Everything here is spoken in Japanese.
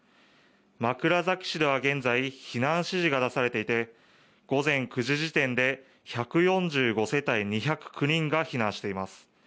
枕崎市では現在、避難指示が出されていて午前９時時点で１４５世帯２０９人が避難しています。